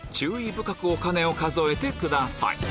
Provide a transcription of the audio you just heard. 深くお金を数えてください